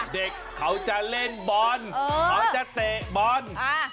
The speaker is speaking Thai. เด็กเขาจะเล่นบอลเขาจะเตะบอล